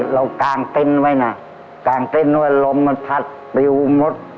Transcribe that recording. เรากางเต้นไว้นะกางเต้นไว้ลมมาผัดปิวมด